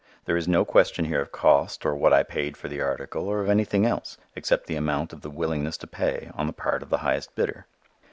There is no question here of cost or what I paid for the article or of anything else except the amount of the willingness to pay on the part of the highest bidder.